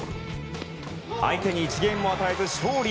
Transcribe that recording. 相手に１ゲームも与えず勝利。